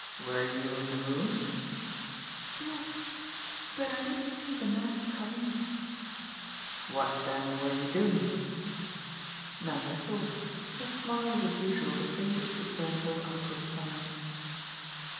"Were you in the room?" "Yes but I didn't see the man come in." "What then were you doing?" Nanda thought; her smile was as usual the faintest discernible outward sign.